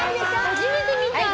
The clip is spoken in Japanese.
初めて見た。